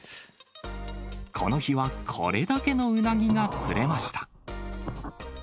この日はこれだけのウナギが釣れました。